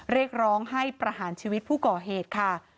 เรียกร้องให้ประหารชีวิตผู้ก่อเหตุค่ะ